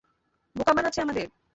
বোকা বানাচ্ছে আমাদের।